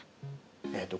えっと